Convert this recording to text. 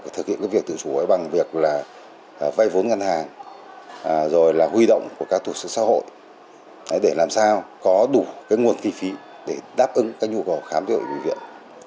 bệnh viện có việc tự chủ bằng việc là vay vốn ngân hàng rồi là huy động của các tổ chức xã hội để làm sao có đủ nguồn kỳ phí để đáp ứng các nhu cầu khám chữa bệnh viện